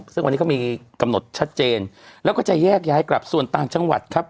ซึ่งวันนี้เขามีกำหนดชัดเจนแล้วก็จะแยกย้ายกลับส่วนต่างจังหวัดครับ